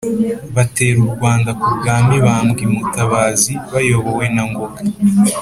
batera u rwanda ku bwa mibambwe i mutabazi, bayobowe na ngoga